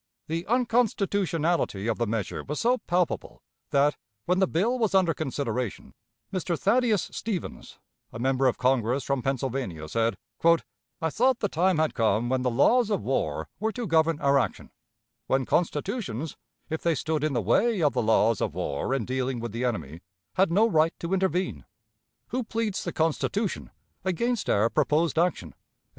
The unconstitutionality of the measure was so palpable that, when the bill was under consideration, Mr. Thaddeus Stevens, a member of Congress from Pennsylvania, said: "I thought the time had come when the laws of war were to govern our action; when constitutions, if they stood in the way of the laws of war in dealing with the enemy, had no right to intervene. Who pleads the Constitution against our proposed action?"